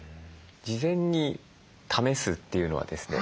事前に試すというのはですね